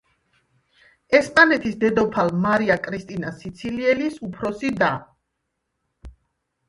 ესპანეთის დედოფალ მარია კრისტინა სიცილიელის უფროსი და.